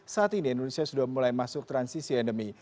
saat ini indonesia sudah mulai masuk transisi endemi